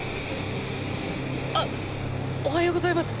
あおはようございます。